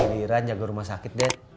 ya lu abis kejadian jaga rumah sakit dad